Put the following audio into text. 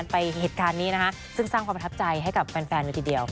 ไปเหตุการณ์นี้นะคะซึ่งสร้างความประทับใจให้กับแฟนเลยทีเดียว